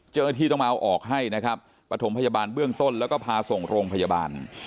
เจ้าหน้าที่ต้องมาเอาออกให้นะครับประถมพยาบาลเบื้องต้นแล้วก็พาส่งโรงพยาบาล